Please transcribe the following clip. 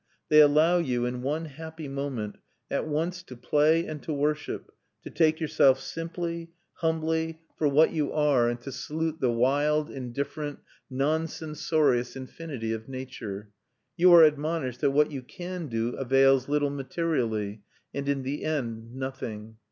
They allow you, in one happy moment, at once to play and to worship, to take yourselves simply, humbly, for what you are, and to salute the wild, indifferent, non censorious infinity of nature. You are admonished that what you can do avails little materially, and in the end nothing.